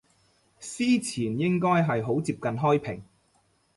司前應該係好接近開平